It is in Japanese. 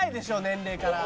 年齢から。